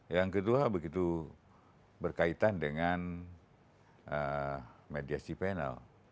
yang kedua begitu berkaitan dengan mediasi panel